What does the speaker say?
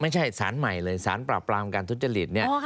ไม่ใช่สารใหม่เลยสารปราบปรามการทุจริตเนี่ย